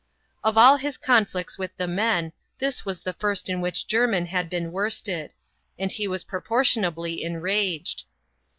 Of all his conflicts with the men, this was the first in wliich tJermin bud been worsted ; and he was pToi^OTl\oiia.bly enraged.